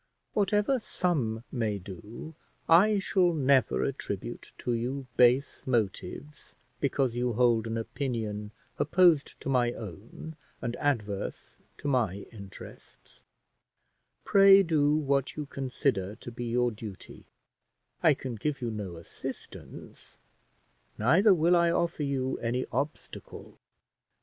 Whatever some may do, I shall never attribute to you base motives because you hold an opinion opposed to my own and adverse to my interests: pray do what you consider to be your duty; I can give you no assistance, neither will I offer you any obstacle.